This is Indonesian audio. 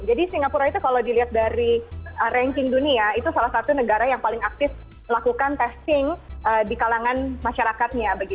jadi singapura itu kalau dilihat dari ranking dunia itu salah satu negara yang paling aktif melakukan testing di kalangan masyarakatnya